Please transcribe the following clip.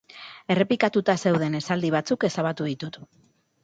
Errepikatuta zeuden esaldi batzuk ezabatu ditut.